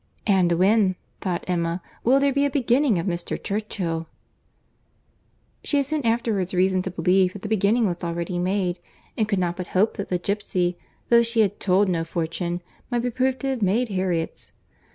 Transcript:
"And when," thought Emma, "will there be a beginning of Mr. Churchill?" She had soon afterwards reason to believe that the beginning was already made, and could not but hope that the gipsy, though she had told no fortune, might be proved to have made Harriet's.